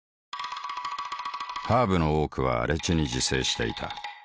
ハーブの多くは荒地に自生していた。